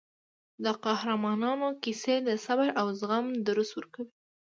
د قهرمانانو کیسې د صبر او زغم درس ورکوي.